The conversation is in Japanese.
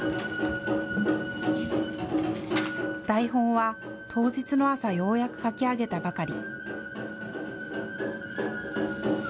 台本は当日の朝、ようやく書き上げたばかり。